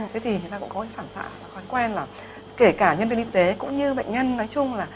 thế thì chúng ta cũng có cái phản xạ khói quen là kể cả nhân viên y tế cũng như bệnh nhân nói chung là